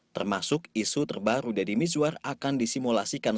termasuk isu terbaru deddy mizwar akan disimulasikan